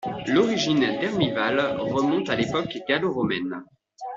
L'origine d'Hermival remonte à l'époque gallo-romaine.